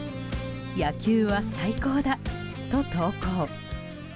野球は最高だと投稿。